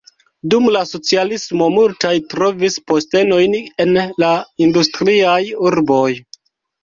Dum la socialismo multaj trovis postenojn en la industriaj urboj.